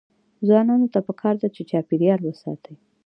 ځوانانو ته پکار ده چې، چاپیریال وساتي.